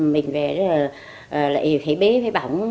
mình về rồi lại thấy bé phải bỏng